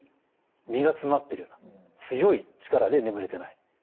実が詰まってるような強い力で眠れてない。